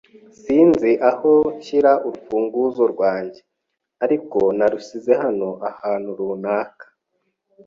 Sinzi aho nshyira urufunguzo rwanjye, ariko narusize hano ahantu runaka.